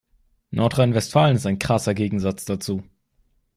Nordrhein-Westfalen ist ein krasser Gegensatz dazu.